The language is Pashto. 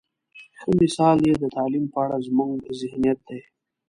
ښه مثال یې د تعلیم په اړه زموږ ذهنیت دی.